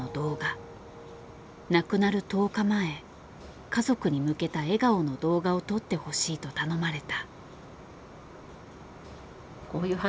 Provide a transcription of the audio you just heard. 亡くなる１０日前家族に向けた笑顔の動画を撮ってほしいと頼まれた。